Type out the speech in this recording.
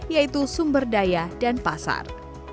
yaitu sumber daya dan pasar